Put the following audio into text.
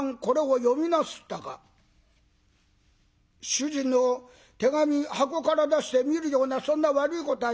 「主人の手紙箱から出して見るようなそんな悪いことはしねえ」。